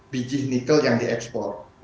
biji nikel yang diekspor